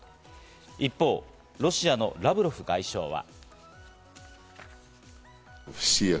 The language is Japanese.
一方、ロシアのラブロフ外相は。